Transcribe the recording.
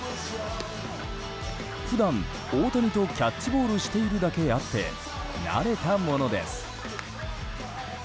普段、大谷とキャッチボールしているだけあって慣れたものです。